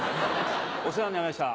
お世話になりました